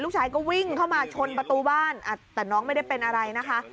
ก็วิ่งเข้ามาชนประตูบ้านแต่น้องไม่ได้เป็นอะไรนะคะ